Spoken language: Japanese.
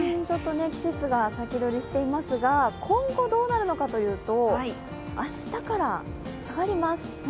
季節を先取りしていますが今後どうなるのかというと明日から下がります。